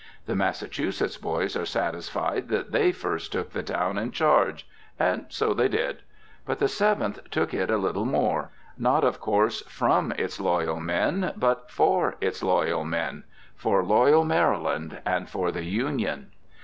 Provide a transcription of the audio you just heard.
The Massachusetts boys are satisfied that they first took the town in charge. And so they did. But the Seventh took it a little more. Not, of course, from its loyal men, but for its loyal men, for loyal Maryland, and for the Union.